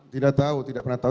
tidak tahu tidak pernah tahu